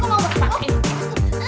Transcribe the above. apa yang bikin tuh